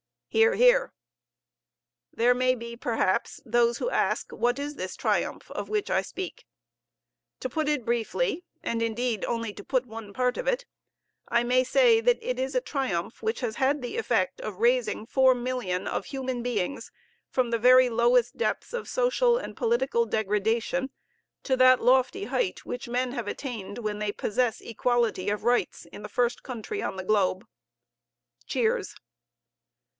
(Hear, hear.) There may be, perhaps, those who ask what is this triumph of which I speak? To put it briefly, and, indeed, only to put one part of it, I may say that it is a triumph which has had the effect of raising 4,000,000 of human beings from the very lowest depths of social and political degradation to that lofty height which men have attained when they possess equality of rights in the first country on the globe. (Cheers.)